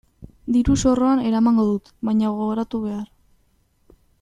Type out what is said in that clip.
Diru-zorroan eramango dut baina gogoratu behar.